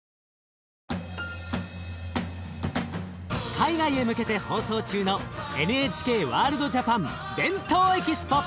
海外へ向けて放送中のＮＨＫワールドＪＡＰＡＮ「ＢＥＮＴＯＥＸＰＯ」！